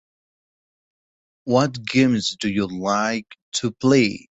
What games do you like to play?